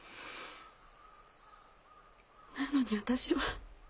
なのに私は。